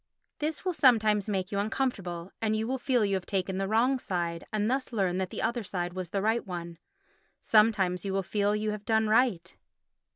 This will sometimes make you uncomfortable, and you will feel you have taken the wrong side and thus learn that the other was the right one. Sometimes you will feel you have done right.